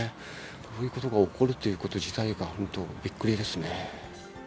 こういうことが起こるということ自体が本当、びっくりですね。